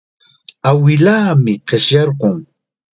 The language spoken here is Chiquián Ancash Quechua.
Awilaami qishyarqun.